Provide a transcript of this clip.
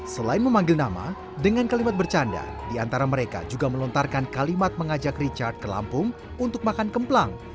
selain memanggil nama dengan kalimat bercanda di antara mereka juga melontarkan kalimat mengajak richard ke lampung untuk makan kemplang